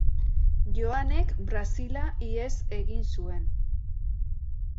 Joanek Brasila ihes egin zuen.